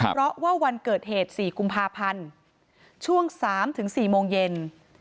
เพราะว่าวันเกิดเหตุ๔กุมภาพันธ์ช่วง๓๔โมงเย็น